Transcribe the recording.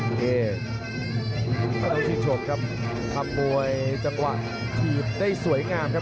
โอเคเทดานนท์ชิดชบครับทำบวยจังหวะทีมได้สวยงามครับ